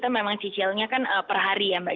memang cicilnya kan per hari ya mbak